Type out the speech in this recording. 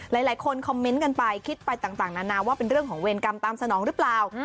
หลายคนคอมเมนต์กันไปคิดไปต่างนานาว่าเป็นเรื่องของเวรกรรมตามสนองหรือเปล่า